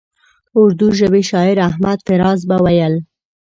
اردو ژبي شاعر احمد فراز به ویل.